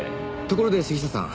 ところで杉下さん